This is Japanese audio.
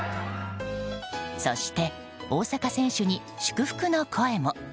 そして、大坂選手に祝福の声も。